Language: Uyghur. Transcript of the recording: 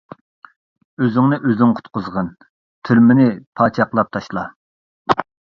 ئۆزۈڭنى ئۆزۈڭ قۇتقۇزغىن، تۈرمىنى پاچاقلاپ تاشلا!